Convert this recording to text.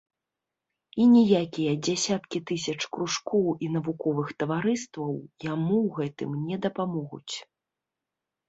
І ніякія дзясяткі тысяч кружкоў і навуковых таварыстваў яму ў гэтым не дапамогуць.